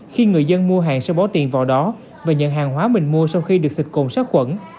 khi người dân mua hàng sẽ bỏ tiền vào đó và nhận hàng hóa mình mua sau khi được sạch cùng sắc khuẩn